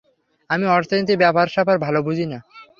আমি অর্থনীতির ব্যাপার-স্যাপার ভালো বুঝি না।